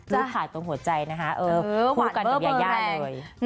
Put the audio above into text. รูปถ่ายตรงหัวใจนะคะคู่กันกับยายาเลย